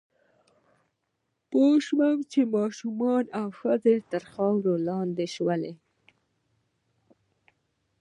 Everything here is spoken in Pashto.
پوه شوم چې ماشومان او ښځې تر خاورو لاندې شول